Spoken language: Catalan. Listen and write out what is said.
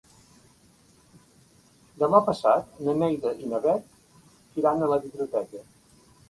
Demà passat na Neida i na Bet iran a la biblioteca.